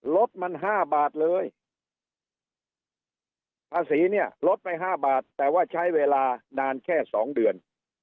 ลดมัน๕บาทเลยภาษีเนี่ยลดไป๕บาทแต่ว่าใช้เวลานานแค่๒เดือน